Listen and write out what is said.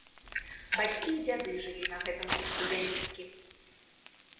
Бацькі і дзяды жылі на гэтым куску зямелькі.